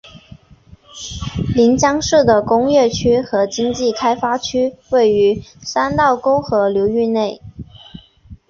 临江市的工业区和经济开发区位于三道沟河流域内。